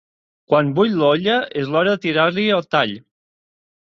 Quan bull l'olla és l'hora de tirar-hi el tall.